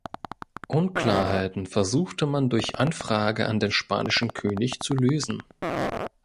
Unklarheiten versuchte man durch Anfrage an den spanischen König zu lösen.